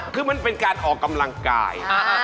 คือมันเป็นการออกกำลังกาย